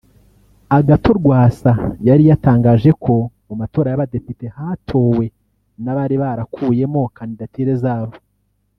Agathon Rwasa yari yatangaje ko mu matora y’Abadepite hatowe n’abari barakuyemo kandidatire zabo